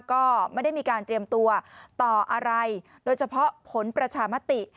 ก็ไม่ได้มีการเตรียมตัวต่ออะไรโดยเฉพาะผลประชามติ